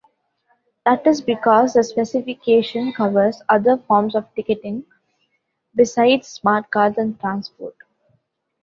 That is because the specification covers other forms of ticketing besides smartcards and transport.